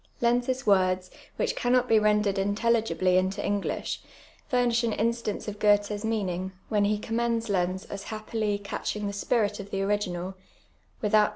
Ix nz's words, which cannot be rendered intelligibly into English, fumi«h an instance of Gfithe's meaning, when he commends Lenz as h.ipj.ily catch in ir the spirit of the original, without the